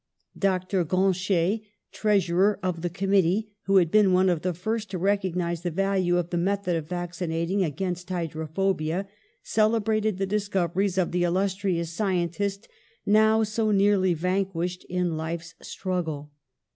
Doctor Grancher, treasurer of the Committee, who had been one of the first to recognise the value of the method of vacci nating against hydrophobia, celebrated the dis coveries of the illustrious scientist, now so nearly vanquished in life's struggle.